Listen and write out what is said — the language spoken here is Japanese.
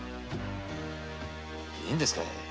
いいんですかい？